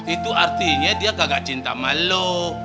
itu artinya dia gak cinta sama lo